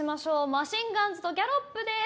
マシンガンズとギャロップです。